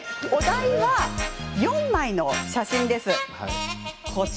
お題は４枚の写真です。